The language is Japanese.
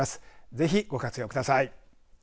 ぜひ、ご活用ください。